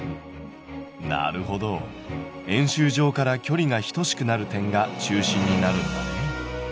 なるほど円周上から距離が等しくなる点が中心になるんだね。